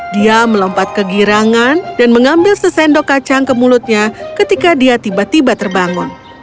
dia melompat ke girangan dan mengambil sesendok kacang ke mulutnya ketika dia tiba tiba terbangun